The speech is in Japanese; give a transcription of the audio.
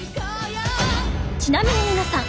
ちなみに皆さん